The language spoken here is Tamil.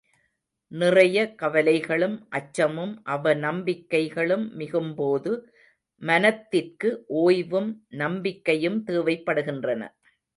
நிறைய கவலைகளும் அச்சமும் அவநம்பிக்கைகளும் மிகும்போது மனத்திற்கு ஓய்வும் நம்பிக்கையும் தேவைப்படுகின்றன.